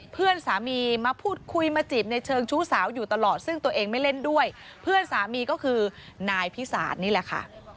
เพื่อนสามีมาพูดคุยมาจีบในเชิงชู้สาวอยู่ตลอดซึ่งตัวเองไม่เล่นด้วยเพื่อนสามีก็คือนายพิสาทนี่แหละค่ะ